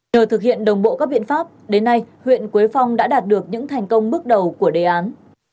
nhờ thực hiện đồng bộ các biện pháp đến nay huyện quế phong đã đạt được những thành công bước đầu của đề án